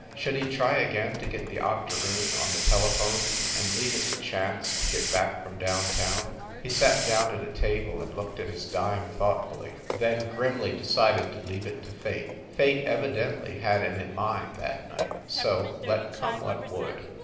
Should he try again to get the octoroon on the telephone and leave it to chance to get back from down town? He sat down at a table and looked at his dime thoughtfully, then grimly decided to leave i88 FIND THE WOMAN it to Fate. Fate evidently had him in mind, that night, so let come what would.